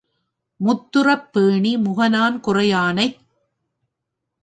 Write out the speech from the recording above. முந்துறப் பேணி முகநான் குடையானைச்